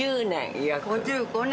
いや、５５年。